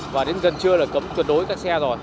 và đến gần trưa là cấm tuyệt đối các xe rồi